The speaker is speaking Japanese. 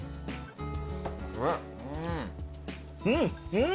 うん。